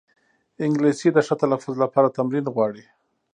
انګلیسي د ښه تلفظ لپاره تمرین غواړي